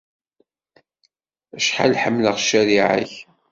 Acḥal ḥemmleɣ ccariɛa-k!